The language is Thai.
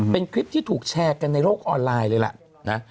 เป็นคลิปที่ถูกแชร์กันในโลกออนไลน์เลยล่ะนะ